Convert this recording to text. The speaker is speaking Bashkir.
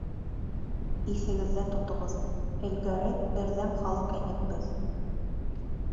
Иҫегеҙҙә тотоғоҙ: элгәре берҙәм халыҡ инек беҙ.